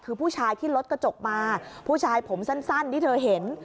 คือผู้ชายที่รถกระจกมาผู้ชายผมสั้นที่เธอเห็น